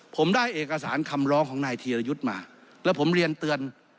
ผมได้เอกสารคำร้องของนายธีรยุทธ์มาแล้วผมเรียนเตือน